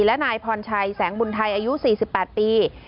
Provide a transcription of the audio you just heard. และนายพรชัยแสงบุญไทยอายุ๔๘ปี